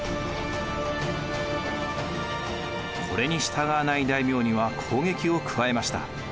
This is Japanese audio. これに従わない大名には攻撃を加えました。